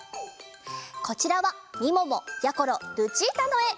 こちらはみももやころルチータのえ。